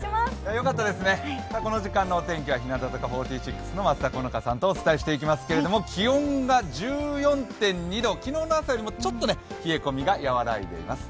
よかったですね、この時間のお天気は日向坂４６の松田好花さんとお伝えしていきますけど気温が１４．２度、昨日よりちょっと冷え込みはおさまっています。